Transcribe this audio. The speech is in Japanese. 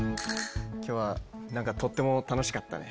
今日はとっても楽しかったね。